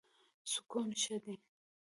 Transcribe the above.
سکون ښه دی.